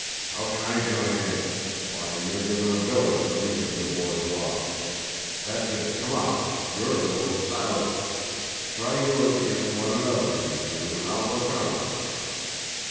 "How can I join in? Why, you've given a village for each of your borzois! That's it, come on! Yours are worth thousands. Try yours against one another, you two, and I'll look on!"